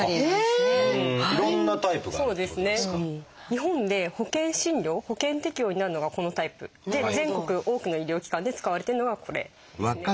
日本で保険診療保険適用になるのがこのタイプで全国多くの医療機関で使われているのがこれですね。